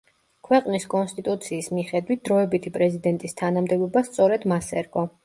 ქვეყნის კონსტიტუციის მიხედვით დროებითი პრეზიდენტის თანამდებობა სწორედ მას ერგო.